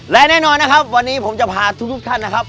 และแน่นอนนะครับวันนี้ผมจะพาทุกท่านนะครับ